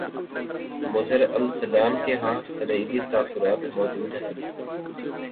مظہر الاسلام کے ہاں سرئیلی تاثرات موجود ہیں